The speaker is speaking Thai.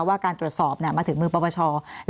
ว่าการตรวจสอบมาถึงมือปปช